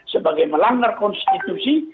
sebagai melanggar konstitusi